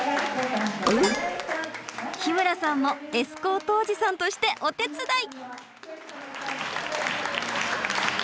日村さんもエスコートおじさんとしてお手伝い！